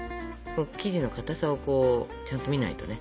生地のかたさをこうちゃんと見ないとね。